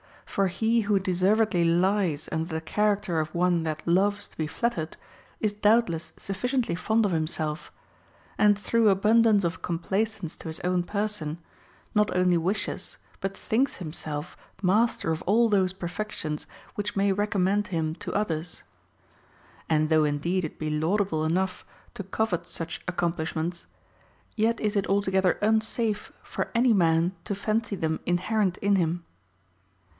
For he who deservedly lies under the character of one that loves to be flattered is doubtless sufficiently fond of himself : and through abundance of complaisance to his own person, not ouly wishes but thinks himself master of all those perfec tions which may recommend him to others. And though indeed it be laudable enough to covet such accomplish ments, yet is it altogether unsafe for any man to fancy them inherent in him.